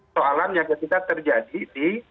soalan yang terjadi di